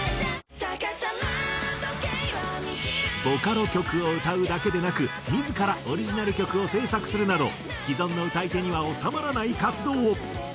ボカロ曲を歌うだけでなく自らオリジナル曲を制作するなど既存の歌い手には収まらない活動を。